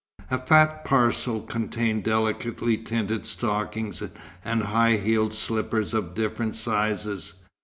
A fat parcel contained delicately tinted stockings and high heeled slippers of different sizes.